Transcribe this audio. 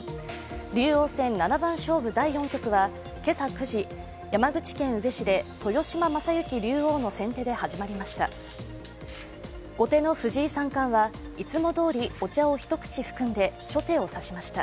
竜王戦七番勝負第４局は今朝９時、山口県宇部市で豊島将之竜王の先手で始まりました。